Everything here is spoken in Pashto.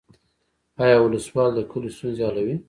آیا ولسوال د کلیو ستونزې حلوي؟